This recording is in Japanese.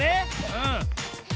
うん。